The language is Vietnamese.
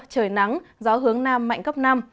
trời nắng gió hướng nam mạnh cấp năm